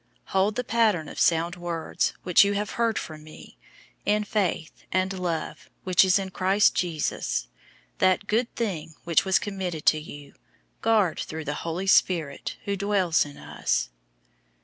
001:013 Hold the pattern of sound words which you have heard from me, in faith and love which is in Christ Jesus. 001:014 That good thing which was committed to you, guard through the Holy Spirit who dwells in us.